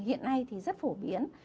hiện nay thì rất phổ biến